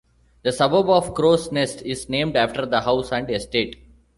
The suburb of Crows Nest is named after the house and estate.